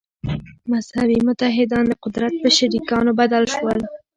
«مذهبي متحدان» د قدرت په شریکانو بدل شول.